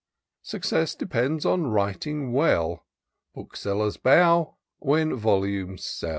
Success depends on writing well — Booksellers bow, when volumes sell.